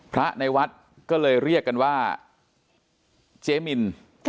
พระในวัดก็เลยเรียกกันว่าเจมิน